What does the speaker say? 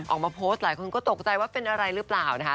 ออกมาโพสต์หลายคนก็ตกใจว่าเป็นอะไรหรือเปล่านะคะ